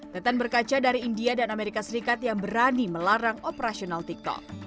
teten berkaca dari india dan amerika serikat yang berani melarang operasional tiktok